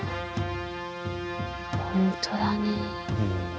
本当だね。